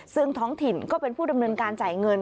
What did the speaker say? ซึ่งท้องถิ่นก็เป็นผู้ดำเนินการจ่ายเงิน